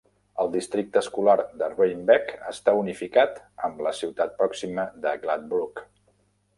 El districte escolar de Reinbeck està unificat amb la ciutat pròxima de Gladbrook.